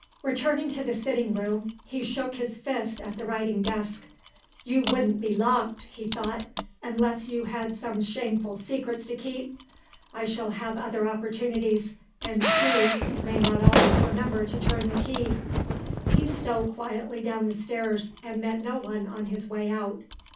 Returning to the sitting room, he shook his fist at the writing desk. "You wouldn't be locked," he thought, "unless you had some shameful secrets to keep! I shall have other opportunities; and she may not always remember to turn the key." He stole quietly down the stairs, and met no one on his way out.